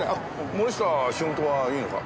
森下は仕事はいいのか？